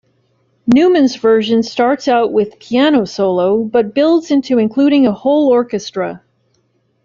Newman's version starts out with piano solo, but builds into including a whole orchestra.